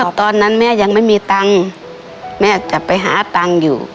ตอนนั้นแม่ยังไม่มีตังค์แม่จะไปหาตังค์อยู่